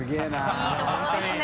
いいところですね。